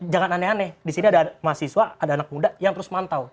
jangan aneh aneh di sini ada mahasiswa ada anak muda yang terus mantau